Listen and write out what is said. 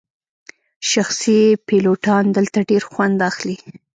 شخصي پیلوټان دلته ډیر خوند اخلي